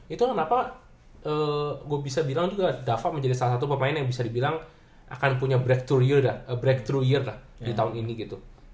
itu kenapa gue bisa bilang juga dava menjadi salah satu pemain yang bisa dibilang akan punya breakthrou year lah di tahun ini gitu